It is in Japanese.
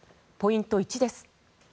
ポイント１です。